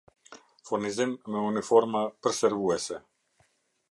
Furnizim me uniforma per servuese